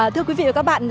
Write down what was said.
thưa quý vị và các bạn